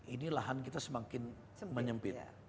ini lahan kita semakin menyempit